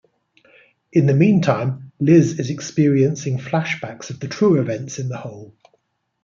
In the meantime, Liz is experiencing flashbacks of the true events in the hole.